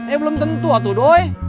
eh belum tentu atu doi